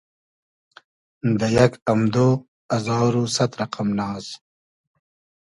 دۂ یئگ امدۉ ازار و سئد رئقئم ناز